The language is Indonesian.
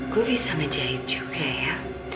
gue bisa ngejahit juga ya